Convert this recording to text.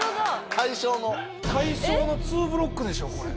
大正のツーブロックでしょこれ。